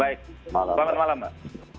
baik selamat malam mbak